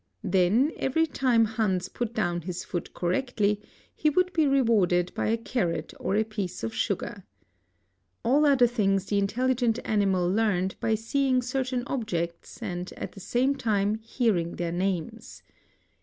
Then every time Han's put down his fpot correctly he would be rewarded by a carrot or a piece of sugar.' All other things the intelligent animal learned by seeing certain obje<;ts and at the same time hear i ing their names.